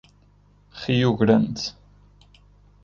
Rio Grande